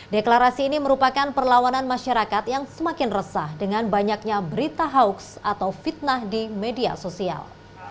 deklarasi ini merupakan perlawanan masyarakat yang semakin resah dengan banyaknya berita hoax atau fitnah di media sosial